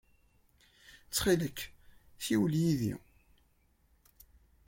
Ttxil-k, ssiwel yid-i.